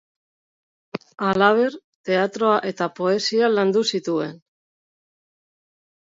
Halaber, teatroa eta poesia landu zituen.